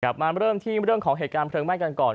มาเริ่มที่เรื่องของเหตุการณ์เพลิงไหม้กันก่อน